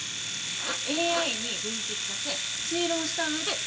ＡＩに分析させ推論した上で調査。